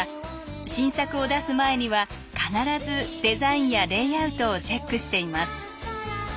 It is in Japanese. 新作を出す前には必ずデザインやレイアウトをチェックしています。